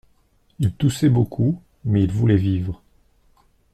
Il toussait beaucoup, mais il voulait vivre.